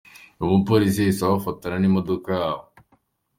Uyu mupolisi yahise abafatana n’imodoka yabo.